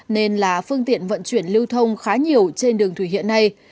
nên là phương tiện vận chuyển lưu thông khá nhiều trên đường thủy hiện nay